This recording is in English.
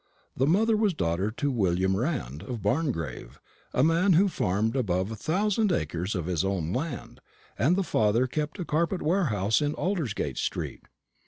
The mother was daughter to William Rand, of Barngrave, a man who farmed above a thousand acres of his own land; and the father kept a carpet warehouse in Aldersgate street."